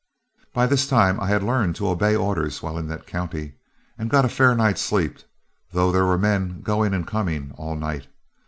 "By this time I had learned to obey orders while in that county, and got a fair night's sleep, though there were men going and coming all night.